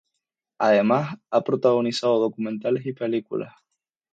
Además, ha protagonizado documentales y películas.